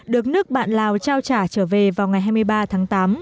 được nước bạn lào trao trả trở về vào ngày hai mươi ba tháng tám